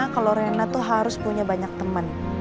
kalo rena tuh harus punya banyak temen